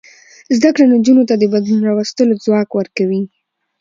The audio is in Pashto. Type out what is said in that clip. زده کړه نجونو ته د بدلون راوستلو ځواک ورکوي.